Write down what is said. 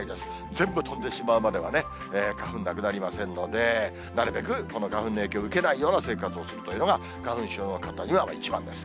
全部飛んでしまうまではね、花粉なくなりませんので、なるべくこの花粉の影響を受けないような生活をするというのが、花粉症の方には一番です。